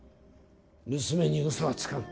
娘に嘘はつかん。